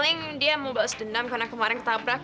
tapi soalnya dia mau bales dendam karena kemarin ketabrak